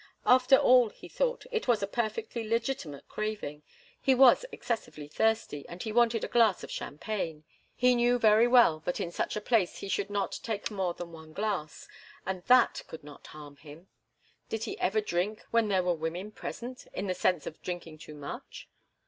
After all, he thought, it was a perfectly legitimate craving. He was excessively thirsty, and he wanted a glass of champagne. He knew very well that in such a place he should not take more than one glass, and that could not hurt him. Did he ever drink when there were women present, in the sense of drinking too much?